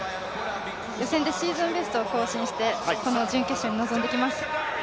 予選でシーズンベストを更新して、この準決勝に臨んできます。